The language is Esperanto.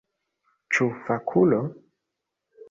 Ĉu fakulo?